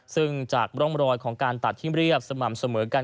ซึ่งจากร่องรอยของการตัดที่เรียบสม่ำเสมอกัน